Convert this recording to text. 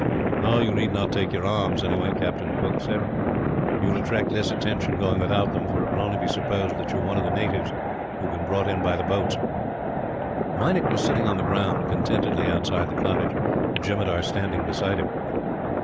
"You need not take your arms, anyhow," Captain Cooke said. "You will attract less attention going without them, for it will only be supposed that you are one of the natives who have been brought in by the boats." Meinik was sitting on the ground, contentedly, outside the cottage, the jemadar standing beside him.